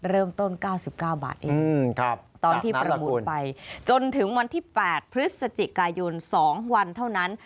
เริ่มต้น๙๙บาทเองตอนที่ประมูลไปจนถึงวันที่๘พฤศจิกายน๒วันเท่านั้น